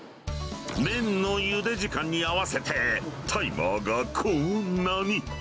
麺のゆで時間に合わせて、タイマーがこんなに。